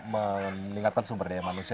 meningkatkan sumber daya manusia